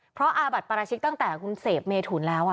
เพราะอาบัติปราชิกตั้งแต่คุณเสพเมถุนแล้ว